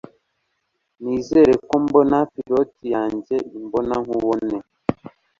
Nizere ko mbona Pilote yanjye imbonankubone